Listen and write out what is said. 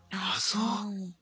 あそう。